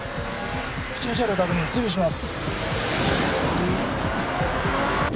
不審車両確認追尾します